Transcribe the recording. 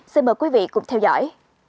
xin mời quý vị cùng theo dõi